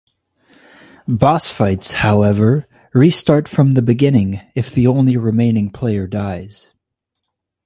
Boss fights, however, restart from the beginning if the only remaining player dies.